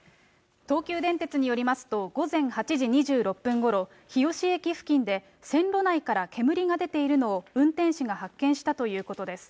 東急電鉄によりますと、午前８時２６分ごろ、日吉駅付近で線路内から煙が出ているのを運転士が発見したということです。